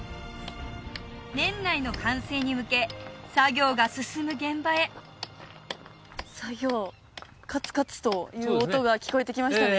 年内の完成に向け作業が進む現場へ作業カツカツという音が聞こえてきましたね